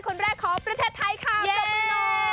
คนแรกของประเทศไทยค่ะปรบมือหน่อย